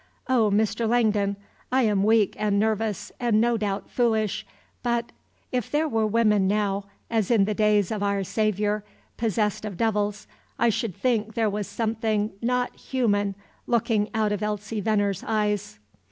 Oh, Mr. Langdon, I am weak and nervous, and no doubt foolish, but if there were women now, as in the days of our Saviour, possessed of devils, I should think there was something not human looking out of Elsie Venner's eyes!"